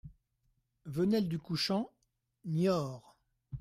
Venelle du Couchant, Niort